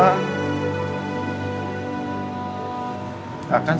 akan selalu mendukung kamu